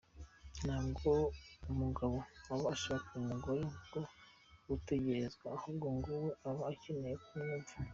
Ntabwo umugabo aba ashaka umugore wo gutekererezwa, ahubwo na we aba akeneye kumwumva.